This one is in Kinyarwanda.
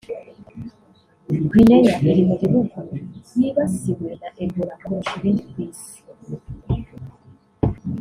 Guinea iri mu bihugu byibasiwe na Ebola kurusha ibindi ku Isi